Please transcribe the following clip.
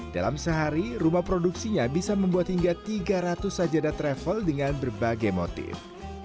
dalam sehari rumah produksinya bisa membuat hingga tiga ratus sajada travel dengan berbagai motif